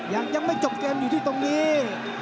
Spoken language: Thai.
ยังไม่จบเกมอยู่ที่ตรงนี้